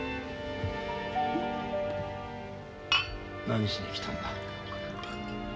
何しに来たんだ？